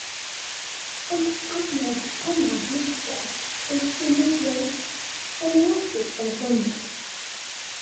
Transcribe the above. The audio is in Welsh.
Ond angerdd pennaf Lydia oedd llenyddiaeth, yn enwedig barddoniaeth.